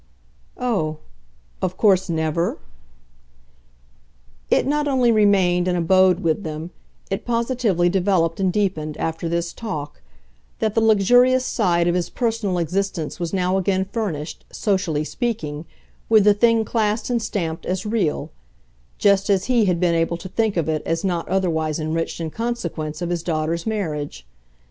"Oh of course never?" It not only remained and abode with them, it positively developed and deepened, after this talk, that the luxurious side of his personal existence was now again furnished, socially speaking, with the thing classed and stamped as "real" just as he had been able to think of it as not otherwise enriched in consequence of his daughter's marriage.